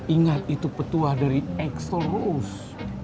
ingat itu petua dari axel rose